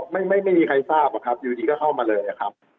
ไม่มีใครทราบอะครับอยู่ดีก็เข้ามาเลยอะครับ